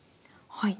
はい。